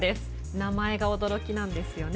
名前が驚きなんですよね。